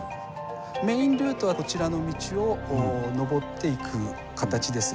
メインルートはこちらの道をのぼっていく形ですが。